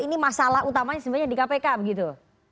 ini masalah utamanya sebenarnya di kpk begitu